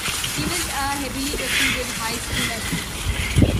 He was a heavily recruited high school athlete.